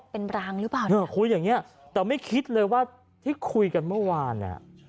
เป็นรางหรือเปล่าเนี่ยคุยอย่างเงี้ยแต่ไม่คิดเลยว่าที่คุยกันเมื่อวานเนี่ย